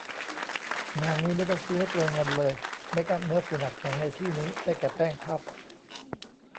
งานนี้ไม่ต้องซื้อให้เปลืองเงินเลย เมคอัพเนื้อฝุ่นอัดแข็งในที่นี้ ได้แก่ แป้งพัฟ